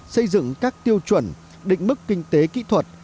xây dựng các tiêu chuẩn định mức kinh tế kỹ thuật